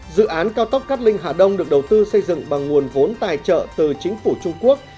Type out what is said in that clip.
dự án cao tốc cát linh hà đông được đầu tư xây dựng bằng nguồn vốn tài trợ từ chính phủ trung quốc